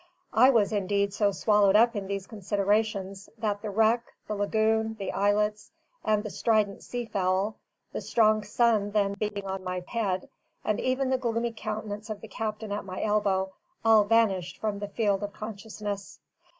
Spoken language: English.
I was indeed so swallowed up in these considerations, that the wreck, the lagoon, the islets, and the strident sea fowl, the strong sun then beating on my head, and even the gloomy countenance of the captain at my elbow, all vanished from the field of consciousness.